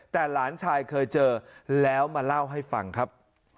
แต่หลานชายเคยเจอแล้วมาเล่าให้ฟังครับ